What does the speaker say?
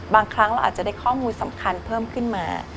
บางครั้งเราอาจจะได้ข้อมูลสำคัญเพิ่มขึ้นมา